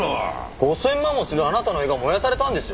５０００万もするあなたの絵が燃やされたんですよ？